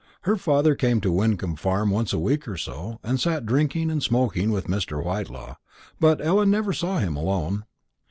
Her father came to Wyncomb Farm once a week or so, and sat drinking and smoking with Mr. Whitelaw; but Ellen never saw him alone.